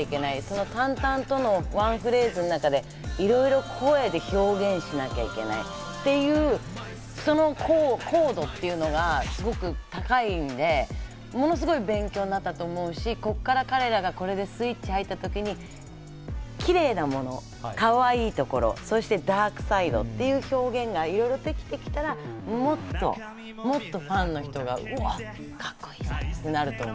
その淡々とのワンフレーズの中でいろいろ声で表現しなきゃいけないっていう、そのコードっていうのが高いんで、ものすごく勉強になったと思うし、ここから彼らがスイッチ入った時にきれいなもの、かわいいところ、ダークサイドっていう表現がいろいろできてきたら、もっともっとファンの人が「おっ、カッコいい」ってなると思う。